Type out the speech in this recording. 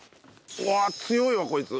うわっ強いわこいつ。